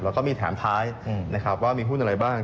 แล้วก็มีแถมท้ายนะครับว่ามีหุ้นอะไรบ้าง